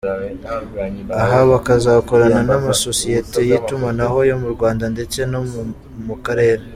Aha bakazakorana n’amasosiyete y’itumanaho yo mu Rwanda ndetse no mu karere.